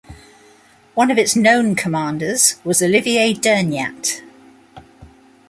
One of its known commanders was Olivier Durgnat.